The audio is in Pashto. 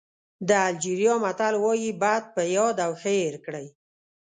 د الجېریا متل وایي بد په یاد او ښه هېر کړئ.